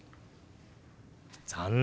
残念。